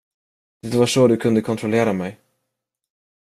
Det var så att du kunde kontrollera mig.